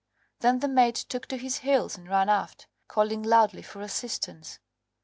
Then the mate took to his heels and ran aft, calling loudly for assistance.